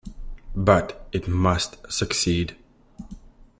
But it must succeed!